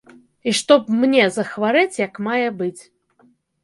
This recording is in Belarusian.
І што б мне захварэць як мае быць.